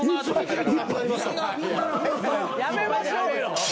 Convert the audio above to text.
やめましょうよ。